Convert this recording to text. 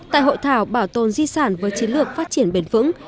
tại hội thảo bảo tồn di sản với chiến lược phát triển bền vững